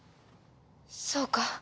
そうか。